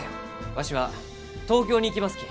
わしは東京に行きますき。